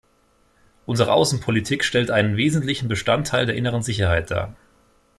Unsere Außenpolitik stellt einen wesentlichen Bestandteil der inneren Sicherheit dar.